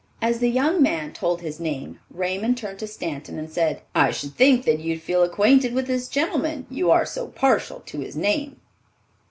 As the young man told his name, Raymond turned to Stanton and said, "I should think that you'd feel acquainted with this gentleman, you are so partial to his name."